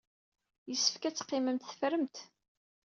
Yessefk ad teqqimemt teffremt.